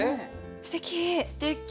すてき！